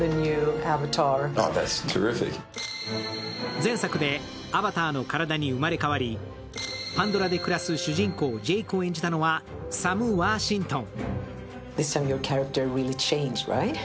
前作でアバターの体に生まれ変わりパンドラで暮らす主人公ジェイクを演じたのはサム・ワーシントン。